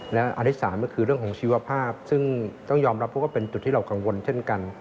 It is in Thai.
และอันที่สามก็คือเรื่องของชีวภาพซึ่งต้องยอมรับเพราะว่าเป็นจุดที่เรากังวลเช่นกัน